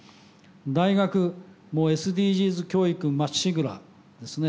大学もＳＤＧｓ教育まっしぐらですね。